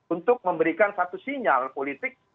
untuk memberikan satu sinyal politik